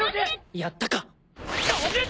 やったか！？